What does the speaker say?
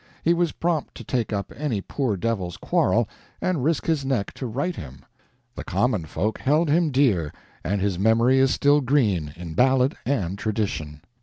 He was prompt to take up any poor devil's quarrel and risk his neck to right him. The common folk held him dear, and his memory is still green in ballad and tradition.